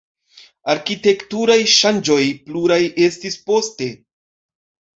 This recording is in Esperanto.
Arkitekturaj ŝanĝoj pluraj estis poste.